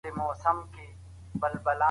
پانګوال نظام بايد عادلانه وي.